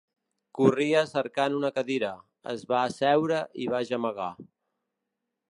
Corria cercant una cadira, es va asseure i va gemegar.